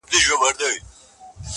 • جانان ستا وي او په برخه د بل چا سي,